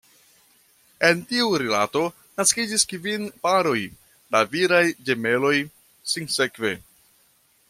El tiu rilato naskiĝis kvin paroj da viraj ĝemeloj, sinsekve.